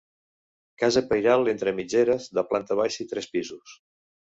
Casa pairal entre mitgeres, de planta baixa i tres pisos.